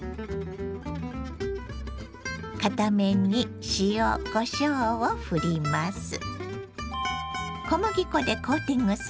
片面に塩こしょうをふります。